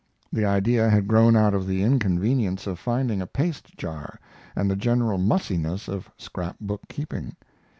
The idea had grown out of the inconvenience of finding a paste jar, and the general mussiness of scrap book keeping.